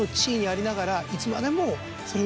いつまでも。